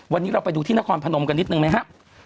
วันนี้เราไปดูที่นครพนมกันนิดนึงไหมครับ